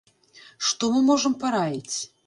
Што мы можам параіць?